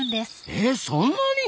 えそんなに？